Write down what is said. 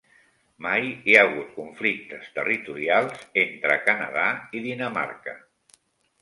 Mai hi ha hagut conflictes territorials entre Canada i Dinamarca